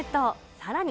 さらに。